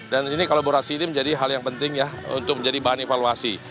dan ini kolaborasi ini menjadi hal yang penting untuk menjadi bahan evaluasi